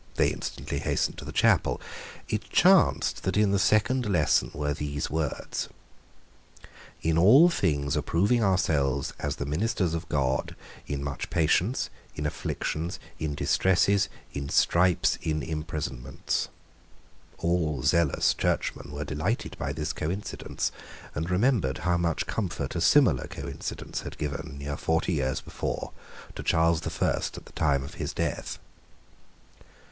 They instantly hastened to the chapel. It chanced that in the second lesson were these words: "In all things approving ourselves as the ministers of God, in much patience, in afflictions, in distresses, in stripes, in imprisonments." All zealous Churchmen were delighted by this coincidence, and remembered how much comfort a similar coincidence had given, near forty years before, to Charles the First at the time of his death.